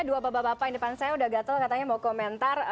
dua bapak bapak yang depan saya udah gatel katanya mau komentar